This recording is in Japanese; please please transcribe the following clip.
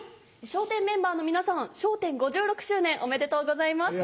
笑点メンバーの皆さん『笑点』５６周年おめでとうございます。